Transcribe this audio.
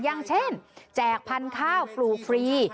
อย่างเช่นแจกพันธุ์ข้าวปลูกฟรี